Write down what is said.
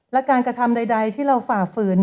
และการกระทำใดที่เราฝ่าฝืน